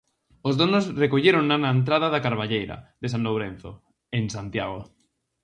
Os donos recollérona na entrada da carballeira de San Lourenzo, en Santiago.